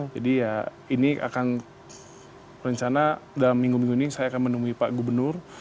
jadi ya ini akan rencana dalam minggu minggu ini saya akan menemui pak gubernur